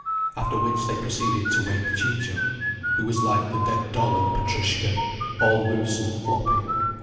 After which they proceeded to wake Ciccio, who was like the dead doll in Petrushka, all loose and floppy.